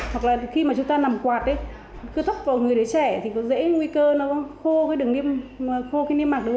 hoặc là khi mà chúng ta nằm quạt ấy cứ thấp vào người đứa trẻ thì có dễ nguy cơ nó khô cái đường niêm mạc đúng không hết